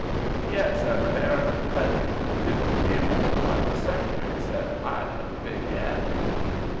"Yes, and the Baron of Peddlington too. 'E was the private secretary as said h'I 'ad the big 'ead."